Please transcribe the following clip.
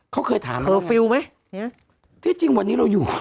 เขาเคยถามว่าไงที่จริงวันนี้เราอยู่